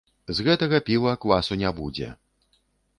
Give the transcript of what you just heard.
З гэтага піва квасу не будзе.